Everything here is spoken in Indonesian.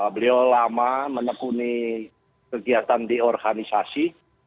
beliau lama menekuni kegiatan di organisasi